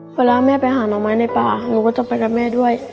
เวลาแม่ไปหาหน่อไม้ในป่าหนูก็จะไปกับแม่ด้วย